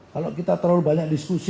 kalau kita terlalu banyak diskusi